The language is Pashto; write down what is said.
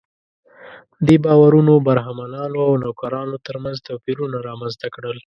دې باورونو برهمنانو او نوکرانو تر منځ توپیرونه رامنځته کړل.